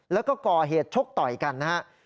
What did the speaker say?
แล้วก็ก่อเหตุชกต่อยกันนะครับ